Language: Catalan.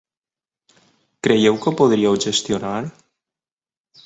Creieu que ho podríeu gestionar?